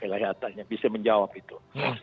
sejujurnya bisa menjawab itu